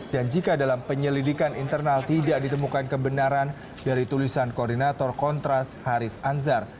dan jika dalam penyelidikan internal tidak ditemukan kebenaran dari tulisan koordinator kontras haris anzar